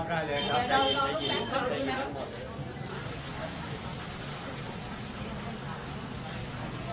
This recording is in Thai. ครับครับได้เลยครับ